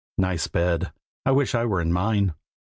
Nice bed! I wish I were in mine."